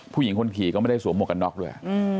ผู้หญิงคนขี่ก็ไม่ได้สวมหมวกกันน็อกด้วย